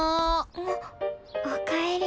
あっおかえり。